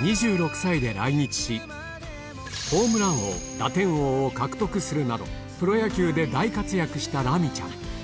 ２６歳で来日し、ホームラン王、打点王を獲得するなど、プロ野球で大活躍したラミちゃん。